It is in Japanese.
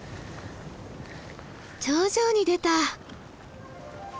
頂上に出た！